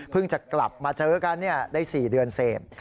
จะกลับมาเจอกันได้๔เดือนเสพ